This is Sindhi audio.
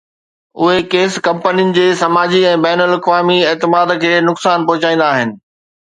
اهي ڪيس ڪمپنين جي سماجي ۽ بين الاقوامي اعتماد کي نقصان پهچائيندا آهن